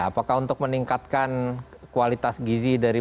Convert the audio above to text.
apakah untuk meningkatkan kualitas gizi dari